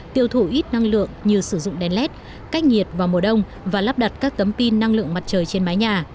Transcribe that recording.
tiêu thụ ít năng lượng như sử dụng đèn led cách nhiệt vào mùa đông và lắp đặt các tấm pin năng lượng mặt trời trên mái nhà